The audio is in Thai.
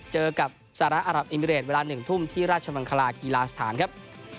เจอกับสหรัฐอารับอิมิเรตเวลา๑ทุ่มที่ราชมังคลากีฬาสถานครับ